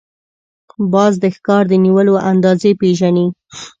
باز د ښکار د نیولو اندازې پېژني